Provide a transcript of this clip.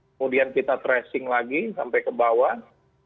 kemudian kita tracing lagi sampai ke bawah